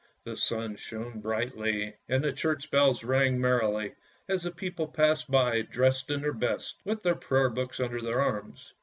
The sun shone brightly and the church bells rang merrily as the people passed by, dressed in their best, with their prayer books under their arms.